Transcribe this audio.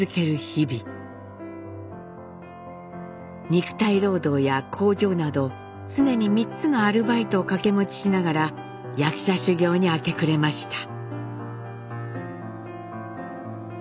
肉体労働や工場など常に３つのアルバイトを掛け持ちしながら役者修業に明け暮れました。